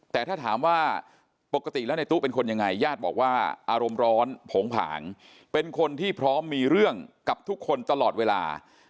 แต่ถ้าถามว่าปกติแล้วในตู้เป็นคนยังไงญาติบอกว่าอารมณ์ร้อนโผงผางเป็นคนที่พร้อมมีเรื่องกับทุกคนตลอดเวลา